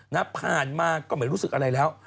ผ่านมาก็ไม่รู้สึกอะไรแล้ว